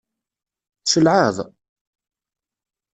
Tcelɛeḍ?